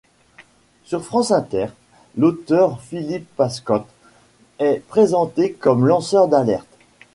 Sur France Inter, l'auteur Philippe Pascot est présenté comme lanceur d'alerte.